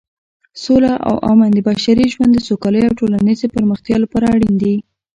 سوله او امن د بشري ژوند د سوکالۍ او ټولنیزې پرمختیا لپاره اړین دي.